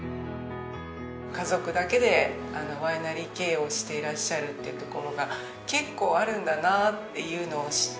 家族だけでワイナリー経営をしていらっしゃるっていうところが結構あるんだなっていうのを知って。